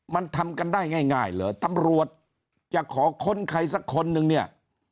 มันทำกันได้ง่ายเหรอตำรวจจะขอค้นใครสักคนนึงเนี่ย